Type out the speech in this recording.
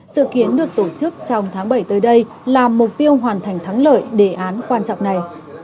sự kiến được tổ chức trong tháng bảy tới đây là mục tiêu hoàn thành thắng lợi đề án quan trọng này